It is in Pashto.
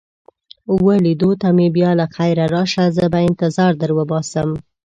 وه لیدو ته مې بیا له خیره راشه، زه به انتظار در وباسم.